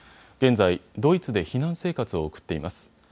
現在、ドイツで避難生活を送っています。